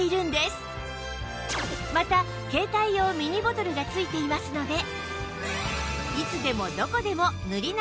また携帯用ミニボトルが付いていますので